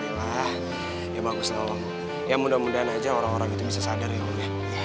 ya bagus allah ya mudah mudahan aja orang orang itu bisa sadar ya mulia